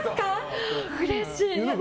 うれしい。